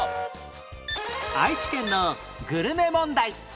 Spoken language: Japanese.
愛知県のグルメ問題